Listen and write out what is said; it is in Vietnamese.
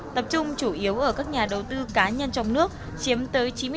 tập trung chủ yếu ở các nhà đầu tư cá nhân trong nước chiếm tới chín mươi tám